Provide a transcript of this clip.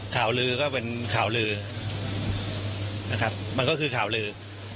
ข่าวลือก็เป็นข่าวลือนะครับมันก็คือข่าวลือ